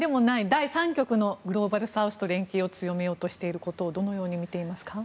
第三極のグローバルサウスと連携を強めようとしていることをどのように見ていますか？